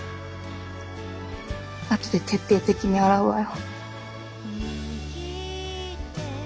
後で徹底的に洗うわよ。